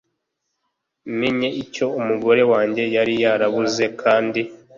menye icyo umugore wanjye yari yarabuze kandi